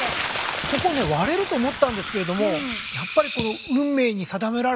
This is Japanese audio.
ここね割れると思ったんですけれどもやっぱりこの運命に定められた